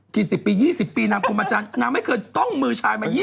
กี่สิบปี๒๐ปีนางคุมอาจารย์นางไม่เคยต้องมือชายมา๒๐